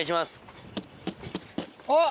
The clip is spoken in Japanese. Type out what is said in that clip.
あっ！